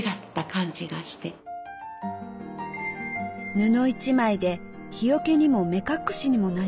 布一枚で日よけにも目隠しにもなりますね。